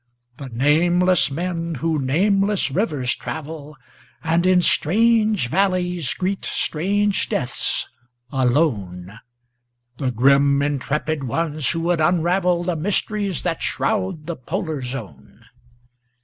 The nameless men who nameless rivers travel, And in strange valleys greet strange deaths alone; The grim, intrepid ones who would unravel The mysteries that shroud the Polar Zone.